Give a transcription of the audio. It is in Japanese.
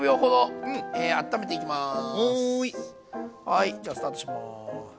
はいじゃスタートします。